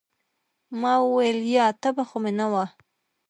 ما وويل يه تبه خو مې نه وه.